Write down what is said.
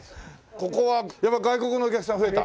ここはやっぱ外国のお客さん増えた？